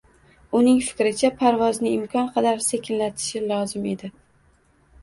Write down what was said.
uning fikricha, parvozni imkon qadar sekinlatishi lozim edi.